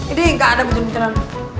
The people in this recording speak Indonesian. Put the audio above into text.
ini gak ada bucin bucinan